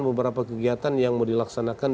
beberapa kegiatan yang mau dilaksanakan